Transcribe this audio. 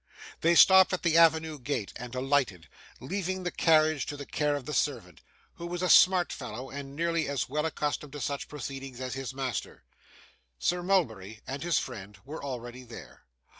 They stopped at the avenue gate and alighted, leaving the carriage to the care of the servant, who was a smart fellow, and nearly as well accustomed to such proceedings as his master. Sir Mulberry and his friend were already there.